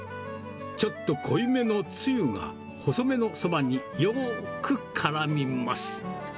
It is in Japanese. ちょっと濃いめのつゆが、細めのそばによーくからみます。